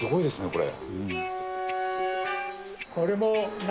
これ。